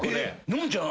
のんちゃん